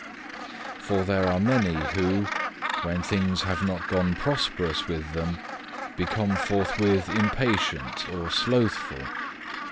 2. "For there are many who, when things have not gone prosperous with them, become forthwith impatient or slothful.